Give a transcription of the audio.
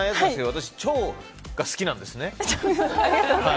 私、腸が好きなんですね。